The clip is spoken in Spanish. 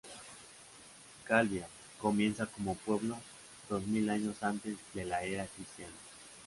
Calviá, comienza como pueblo dos mil años antes de la era cristiana.